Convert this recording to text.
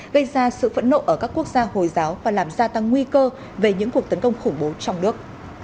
gây ra sự phẫn nộ ở các quốc gia hồi giáo và làm gia tăng nguy cơ về những cuộc tấn công khủng bố trong nước